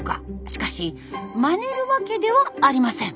しかしまねるわけではありません。